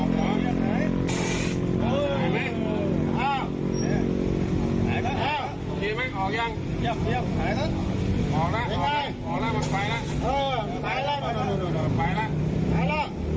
สวัสดีครับทุกคน